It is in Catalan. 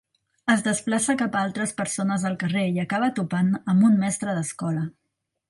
Es desplaça cap a altres persones al carrer i acaba topant amb un mestre d'escola.